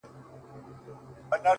مه راته وايه چي د کار خبري ډي ښې دي”